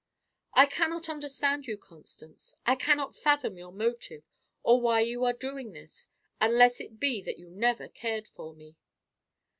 "I cannot understand you, Constance. I cannot fathom your motive, or why you are doing this; unless it be that you never cared for me."